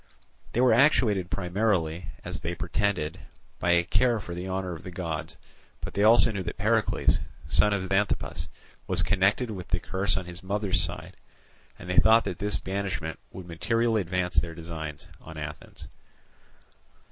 They were actuated primarily, as they pretended, by a care for the honour of the gods; but they also know that Pericles, son of Xanthippus, was connected with the curse on his mother's side, and they thought that his banishment would materially advance their designs on Athens.